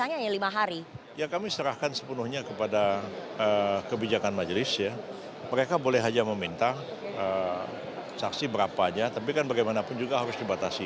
ya kami serahkan sepenuhnya kepada kebijakan majelis ya mereka boleh saja meminta saksi berapanya tapi kan bagaimanapun juga harus dibatasi